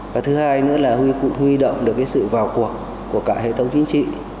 và thứ hai nữa là huy động được sự vào cuộc của cả hệ thống chính trị